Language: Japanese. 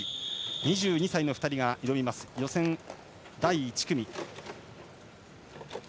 ２２歳の２人が挑みます予選第１組。